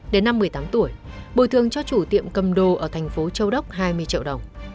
đến năm một mươi tám tuổi bồi thường cho chủ tiệm cầm đồ ở thành phố châu đốc hai mươi triệu đồng